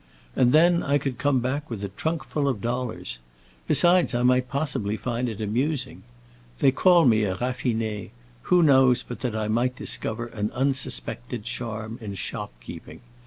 And then I could come back with a trunk full of dollars. Besides, I might possibly find it amusing. They call me a raffiné; who knows but that I might discover an unsuspected charm in shop keeping?